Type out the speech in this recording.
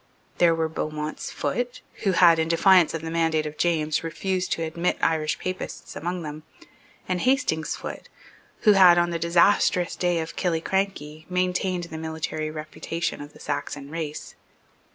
There were Beaumont's foot, who had, in defiance of the mandate of James, refused to admit Irish papists among them, and Hastings's foot, who had, on the disastrous day of Killiecrankie, maintained the military reputation of the Saxon race.